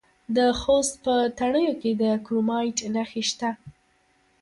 د خوست په تڼیو کې د کرومایټ نښې شته.